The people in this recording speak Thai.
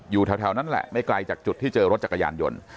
อยู่แถวนั้นแหละไม่ไกลจากจุดที่เจอรถจักรยานยนต์